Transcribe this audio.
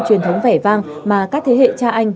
truyền thống vẻ vang mà các thế hệ cha anh